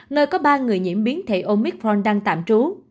nơi có ba người nhiễm biến thể omitron đang tạm trú